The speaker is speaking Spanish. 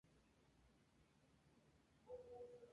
La Gran Polonia era el corazón del primitivo estado medieval polaco.